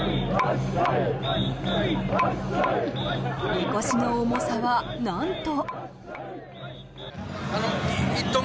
みこしの重さは、なんと。